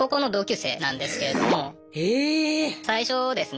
最初ですね